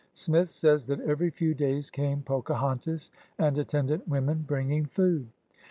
Smith says that every few days came Poca hontas and attendant women bringing food.